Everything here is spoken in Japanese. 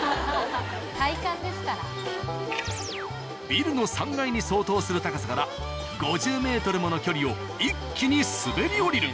ビルの３階に相当する高さから５０ｍもの距離を一気に滑り降りる。